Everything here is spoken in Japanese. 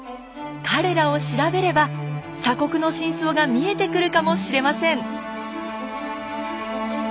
彼らを調べれば鎖国の真相が見えてくるかもしれません。